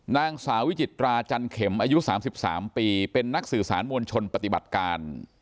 นางสาววิจิตราจันเข็มอายุ๓๓ปีเป็นนักสื่อสารมวลชนปฏิบัติการ